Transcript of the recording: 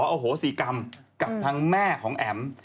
โหสีกรรมกับทางแม่ของแอ๋ม